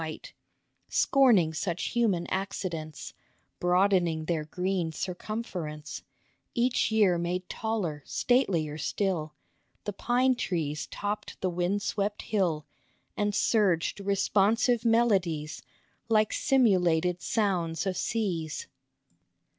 QO THE OLD PINE Scorning such human accidents, Broadening their green circumference, Each year made taller, statelier still, The pine trees topped the wind swept hill, And surged responsive melodies Like simulated sounds of seas.